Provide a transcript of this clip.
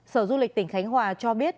sở du lịch tp hcm cho biết